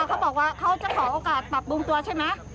เขาบอกว่าเขาจะขอโอกาสปรับปรุงตัวใช่ไหม